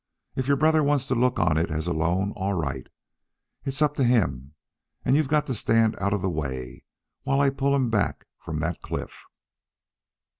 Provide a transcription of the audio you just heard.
If your brother wants to look on it as a loan, all right. It's up to him, and you've got to stand out of the way while I pull him back from that cliff."